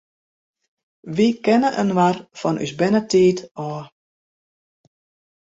Wy kenne inoar fan ús bernetiid ôf.